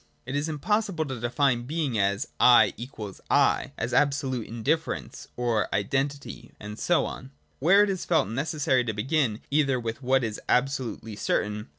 It is possible to define being as '1 = 1,' as 'Absolute Indifference ' or Identity, and so on. Where it is felt necessary to begin either with what is absolutely certain, i.